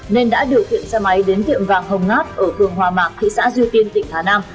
nên đã điều khiển xe máy đến tiệm vàng hồng ngát ở phường hòa mạc thị xã duy tiên tỉnh hà nam